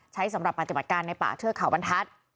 สำหรับปฏิบัติการในป่าเทือกเขาบรรทัศน์